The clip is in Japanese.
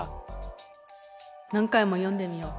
何回も読んでみよう。